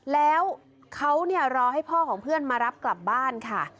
แล้วเขารอให้พ่อของเพื่อนมารับกลับบ้านค่ะ